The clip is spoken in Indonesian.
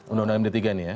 undang undang md tiga ini ya